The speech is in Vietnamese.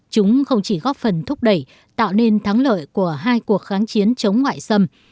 chúng không chỉ góp phần thúc đẩy tạo nên thắng lợi của hai cuộc kháng chiến chống ngoại xâm